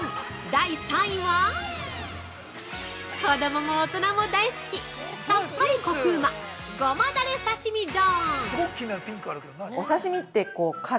第３位は子供も大人も大好きさっぱりコクうまごまだれ刺身丼。